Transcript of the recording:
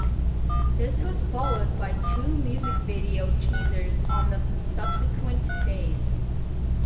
This was followed by two music video teasers on the subsequent days.